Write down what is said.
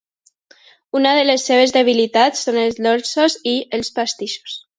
Una de les seves debilitats són els dolços i els pastissos.